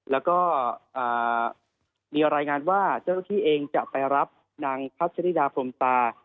แล้วก็มีรายงานว่าเจ้าหน้าที่เองจะไปรับนางพัชริดาพรมตา